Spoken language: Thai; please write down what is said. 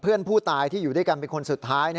เพื่อนผู้ตายที่อยู่ด้วยกันเป็นคนสุดท้าย